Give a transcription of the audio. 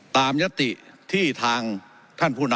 ยติที่ทางท่านผู้นำ